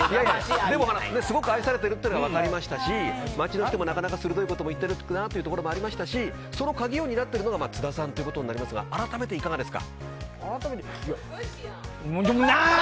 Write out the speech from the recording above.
すごく愛されているというのが分かりましたし街の人もなかなか鋭いこと言ってるなということもありますしその鍵を担っているのは津田さんということになりますがあらためて、いかがですか。